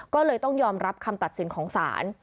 ก็เลยต้องยอมรับคำตัดสินของศาล